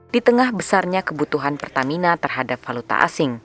di tengah besarnya kebutuhan pertamina terhadap valuta asing